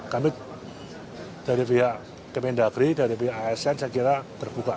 kami dari pihak kementerian negeri dari pihak asn saya kira berbuka